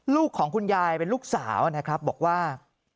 ของคุณยายเป็นลูกสาวนะครับบอกว่า